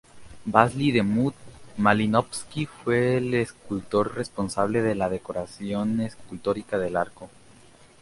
Vasili Demut-Malinovski fue el escultor responsable de la decoración escultórica del arco.